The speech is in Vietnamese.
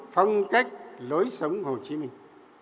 phong cách lối sống hồ chí minh